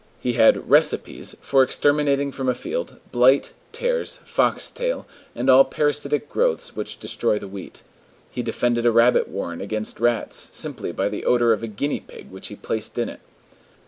He had "recipes" for exterminating from a field, blight, tares, foxtail, and all parasitic growths which destroy the wheat. He defended a rabbit warren against rats, simply by the odor of a guinea pig which he placed in it.